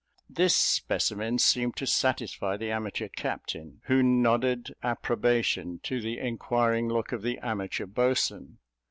This specimen seemed to satisfy the amateur captain, who nodded approbation to the inquiring look of the amateur boatswain.